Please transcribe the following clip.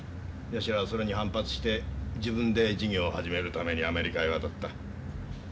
矢代はそれに反発して自分で事業を始めるためにアメリカへ渡った。